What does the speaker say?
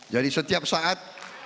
jadi setiap saat